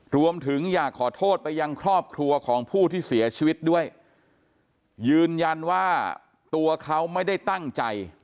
รวมถึงอยากขอโทษไปยังครอบครัวของผู้ที่เสียชีวิตด้วยยืนยันว่าตัวเขาไม่ได้ตั้งใจ